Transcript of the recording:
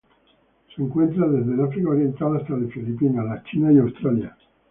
Se encuentra desde el África Oriental hasta las Filipinas, la China y Australia.